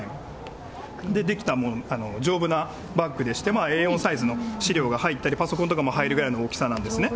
出来たもの、丈夫なバッグでして、Ａ４サイズの資料が入ったりパソコンが入るぐらいの大きさなんですね。